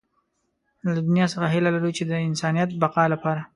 له دنيا څخه هيله لرو چې د انسانيت بقا لپاره.